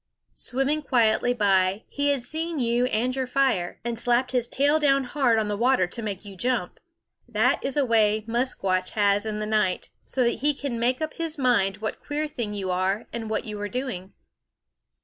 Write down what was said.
Swimming quietly by, he had seen you and your fire, and slapped his tail down hard on the water to make you jump. That is a way Musquash has in the night, so that he can make up his mind what queer thing you are and what you are doing.